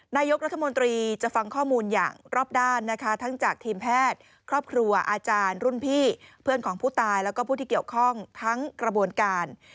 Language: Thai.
นายกรัฐมนตรีจะฟังข้อมูลอย่างรอบด้านนะคะทั้งจากทีมแพทย์ครอบครัวอาจารย์รุ่นพี่เพื่อนของผู้ตายแล้วก็ผู้ที่เกี่ยวข้องทั้งกระบวนการ